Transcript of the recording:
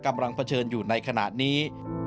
กำลังเผชิญอยู่ในขณะนี้